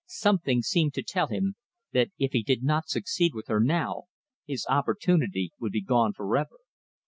Something seemed to tell him that if he did not succeed with her now, his opportunity would be gone forever.